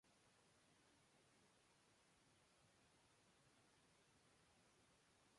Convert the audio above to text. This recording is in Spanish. Su producción abarca la narrativa, la poesía o el cuento.